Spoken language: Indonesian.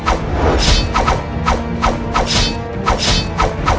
atau akan ada yang celaka